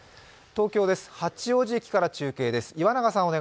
東京です、八王子駅から中継岩永さん